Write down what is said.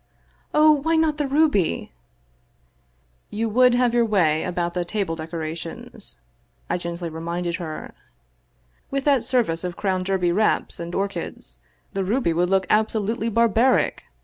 " Oh, why not the ruby ?'*" You would have your way about the table decorations," I gently reminded her. " With that service of Crown Derby repousse and orchids, the ruby would look absolutely bar baric.